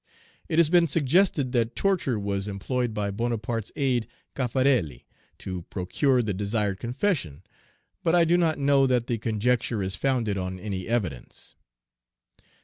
It has been suggested that torture was employed by Bonaparte's aid, Caffarelli, to procure the desired confession; but I do not know that the conjecture is founded on any evidence.